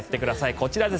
こちらです。